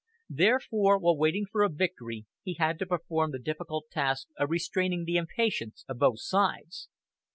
Therefore, while waiting for a victory he had to perform the difficult task of restraining the impatience of both sides.